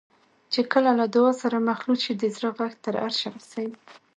چې کله له دعا سره مخلوط شي د زړه غږ تر عرشه رسوي.